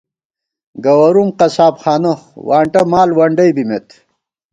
گوَرُوم قصاب خانہ ، وانٹہ مال ونڈَئی بِمېت